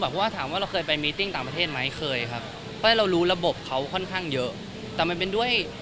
มันเป็นการคุยล่วงหน้าค่อนข้างนานมากจริง